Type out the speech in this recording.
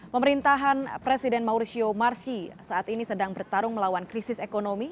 pemerintahan presiden maursio marshi saat ini sedang bertarung melawan krisis ekonomi